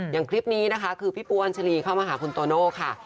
อย่างคลิปนี้นะคะคือพี่ปูอัญชาลีเข้ามาหาคุณโตโน่ค่ะ